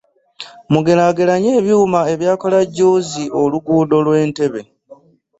Mugeraageranye ebyuma ebyakola jjuuzi oluguudo lw'Entebbe.